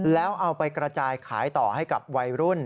แล้วเอาไปกระจายขายต่อให้กับวัยรุ่น